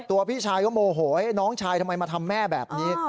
พี่ชายก็โมโหน้องชายทำไมมาทำแม่แบบนี้